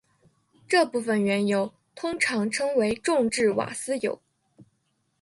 这部分原油通常称为重质瓦斯油。